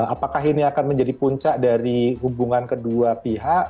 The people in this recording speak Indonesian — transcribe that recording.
apakah ini akan menjadi puncak dari hubungan kedua pihak